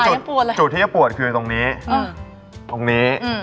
จุดที่จะป่วนคือตรงนี้